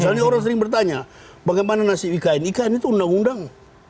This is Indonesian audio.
soalnya orang sering bertanya bagaimana nasib ikain ikain itu undang undang